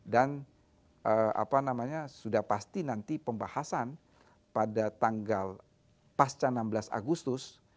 dan sudah pasti nanti pembahasan pada tanggal pasca enam belas agustus